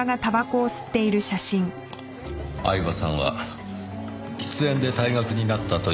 饗庭さんは喫煙で退学になったという事ですか？